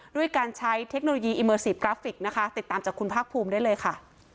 ด้วยการใช้เทคโนโลยีอิเมอร์ซีฟกราฟิกนะคะติดตามจากคุณภาคภูมิได้เลยค่ะ